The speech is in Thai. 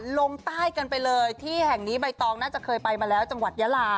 ลงใต้กันไปเลยที่แห่งนี้ใบตองน่าจะเคยไปมาแล้วจังหวัดยาลา